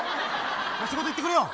仕事、行ってくるよ。